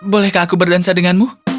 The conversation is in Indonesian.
bolehkah aku berdansa denganmu